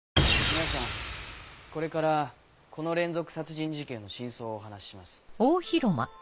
皆さんこれからこの連続殺人事件の真相をお話しします。